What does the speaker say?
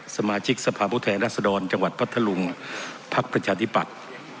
สมาชิกสภาพุทธแห่งราษฎรจังหวัดพัทธลุงพักประชาธิบัติ